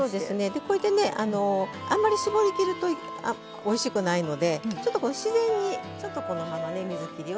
でこれでねあんまり絞りきるとおいしくないのでちょっと自然にこのままね水切りをしておきましょう。